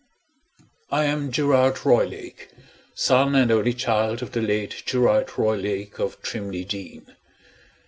I am Gerard Roylake, son and only child of the late Gerard Roylake of Trimley Deen.